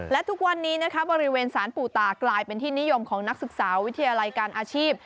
และทุกวันนี้นะคะบริเวณสารปู่ตากลายเป็นที่นิยมของนักศึกษาวิทยาลัยการอาชีพ